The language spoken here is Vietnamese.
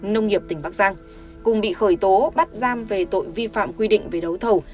nông nghiệp tỉnh bắc giang cùng bị khởi tố bắt giam về tội vi phạm quy định về đấu thầu